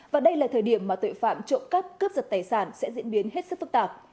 và đây là thời điểm mà tội phạm trộm cắp cướp giật tài sản sẽ diễn biến hết sức phức tạp